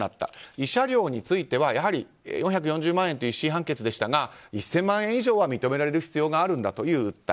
慰謝料についてはやはり４４０万円という１審判決でしたが１０００万円以上は認められる必要があるんだという訴え。